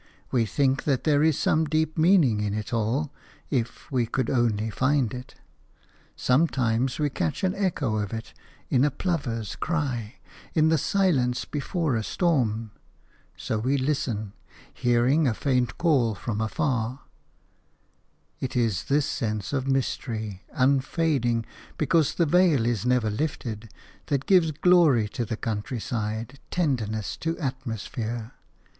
We think that there is some deep meaning in it all, if we could only find it; sometimes we catch an echo of it – in a plover's cry, in the silence before a storm. So we listen, hearing a faint call from afar. It is this sense of mystery – unfading, because the veil is never lifted – that gives glory to the countryside, tenderness to atmosphere.